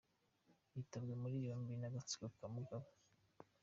Itabwa muri yombi ry’agatsiko ka Mugabe